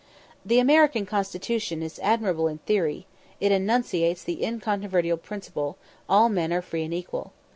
The American constitution is admirable in theory; it enunciates the incontrovertible principle, "All men are free and equal."